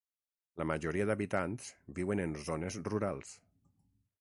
La majoria d'habitants viuen en zones rurals.